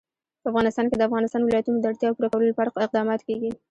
په افغانستان کې د د افغانستان ولايتونه د اړتیاوو پوره کولو لپاره اقدامات کېږي.